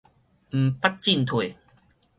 毋捌進退